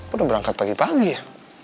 udah berangkat pagi pagi ya